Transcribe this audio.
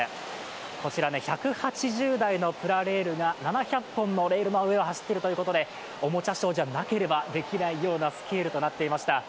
こちら、１８０台のプラレールが７００本のレールの上を走っているということでおもちゃショーじゃなければできないようなスケールとなっていました。